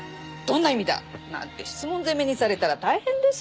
どんな意味だ？なんて質問攻めにされたら大変ですよ。